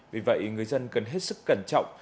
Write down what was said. vì vậy người dân cần hết sức cẩn trọng